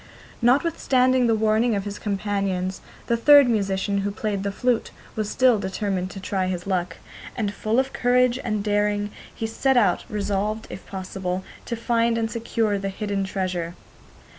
Notwithstanding the warning of his companions, the third musician, who played the flute, was still determined to try his luck, and, full of courage and daring, he set out, resolved, if possible, to find and secure the hidden treasure.